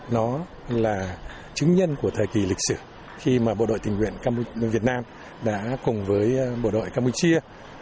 nó là chứng nhân của thời kỳ lịch sử khi mà bộ đội tình nguyện việt nam đã cùng với bộ đội campuchia